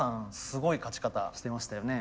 すごい勝ち方してましたよね。